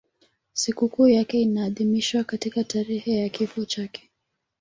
Sikukuu yake inaadhimishwa katika tarehe ya kifo chake.